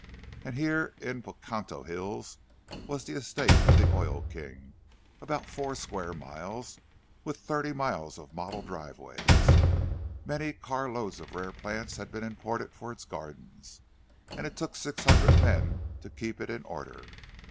And here in the Pocantico Hills was the estate of the oil king, about four square miles, with thirty miles of model driveways; many car loads of rare plants had been imported for its gardens, and it took six hundred men to keep it in order.